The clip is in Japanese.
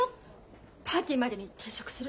パーティーまでに転職する。